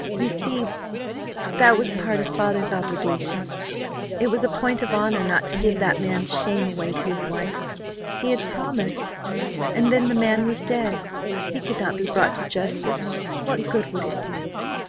"You see that was part of father's obligation; it was a point of honor not to give that man's shame away to his wife he had promised and then, the man, was dead he could not be brought to justice; what good would it do?"